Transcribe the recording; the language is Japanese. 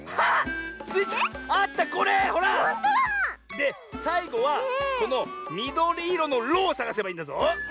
でさいごはこのみどりいろの「ロ」をさがせばいいんだぞ。